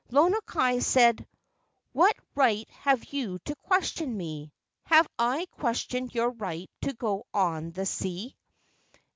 Lono kai said: "What right have you to question me? Have I ques¬ tioned your right to go on the sea?"